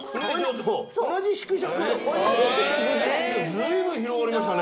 随分広がりましたね。